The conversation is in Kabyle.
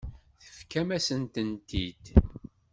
Tefkam-asent-t-id.